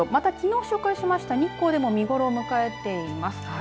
きのう紹介した日光でも見頃迎えています。